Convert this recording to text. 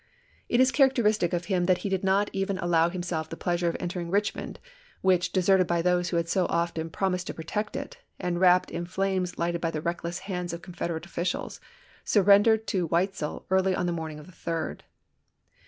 It is characteristic of him that he did not even allow himself the pleasure of entering Richmond, which, deserted by those who had so often promised to protect it, and wrapped in flames lighted by the reckless hands of Confederate officials, surrendered April, 1865. to Weitzel early on the morning of the 3d.